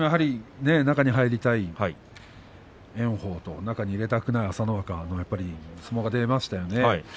中に入りたい炎鵬と中に入れたくない朝乃若という相撲が出ましたね。